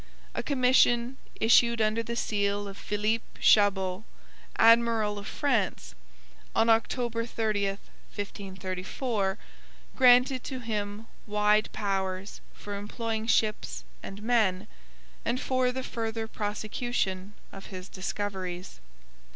A commission, issued under the seal of Philippe Chabot, admiral of France, on October 30, 1534, granted to him wide powers for employing ships and men, and for the further prosecution of his discoveries.